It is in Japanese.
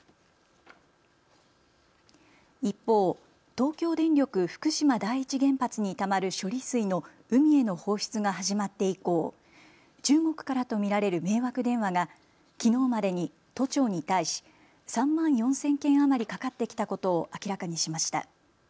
一方、東京電力福島第一原発にたまる処理水の海への放出が始まって以降、中国からと見られる迷惑電話がきのうまでに都庁に対し３万４０００件余りかかってきたことを明らかにしました。